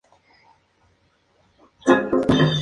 En Field of Honor, derrotó a Evil.